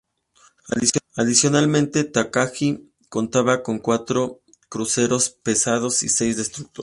Adicionalmente, Takagi contaba con cuatro cruceros pesados y seis destructores.